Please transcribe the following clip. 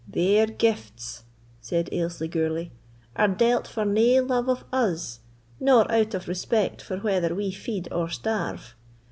"Their gifts," said Ailsie Gourlay, "are dealt for nae love of us, nor out of respect for whether we feed or starve.